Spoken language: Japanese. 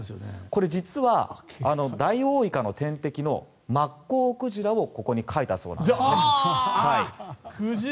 実はダイオウイカの天敵のマッコウクジラをここに描いたそうなんですね。